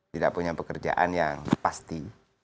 tidak punya pekerjaan yang pasti